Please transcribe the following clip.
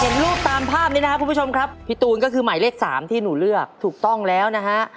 เห็นรูปตามภาพนี้นะครับคุณผู้ชมครับพี่ตูนก็คือหมายเลข๓ที่หนูเลือกถูกต้องแล้วนะฮะ